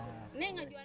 ini gak jual lagi laku